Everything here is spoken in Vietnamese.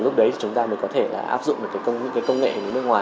lúc đấy chúng ta mới có thể áp dụng những công nghệ hình như nước ngoài